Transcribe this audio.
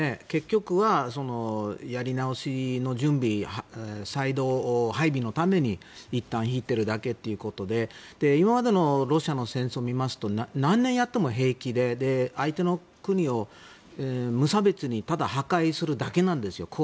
結局はやり直しの準備再配備のためにいったん引いているだけということで今までのロシアの戦争を見ますと何年やっても平気で相手の国を無差別にただ破壊するだけなんですよ。